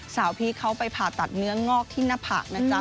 พีคเขาไปผ่าตัดเนื้องอกที่หน้าผากนะจ๊ะ